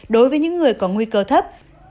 đối với những người có nguy cơ thấp